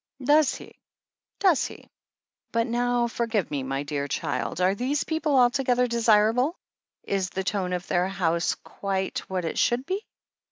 "Does he — does he? But now forgive me, my dear child — ^are these people altogether desirable — ^is the tone of their house quite what it should be?"